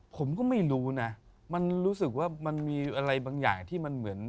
ผมก็ไม่รู้นะมันรู้สึกว่ามันมีอะไรบางอย่างที่มันเหมือน